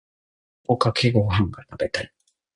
卵かけご飯が食べたい。